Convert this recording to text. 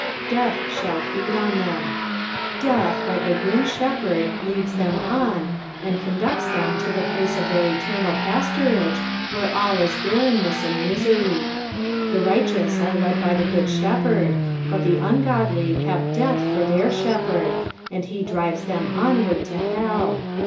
" DraM ihall feed on tirni." Deathlike a grim shepherd leads them on, and conducts them to the place of their eternal pastunige, where all is barrenness and misery. The righteous are led by the Qood Shepherd, but the uneodly have death for their lihepherd, and he drives them onward to hell.